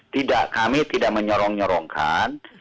tidak kami tidak menyorong nyorongkan